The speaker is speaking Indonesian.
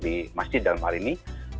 di masjid dalam hal ini